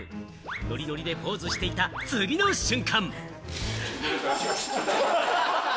ノリノリでポーズしていた次の瞬間。